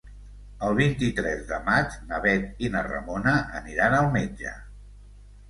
El vint-i-tres de maig na Bet i na Ramona aniran al metge.